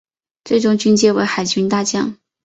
最终军阶为海军大将。